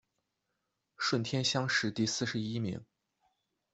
顺天乡试第四十一名。